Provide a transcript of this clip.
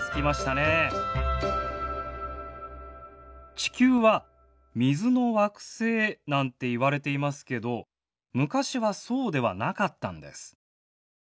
地球は「水の惑星」なんていわれていますけど昔はそうではなかったんです。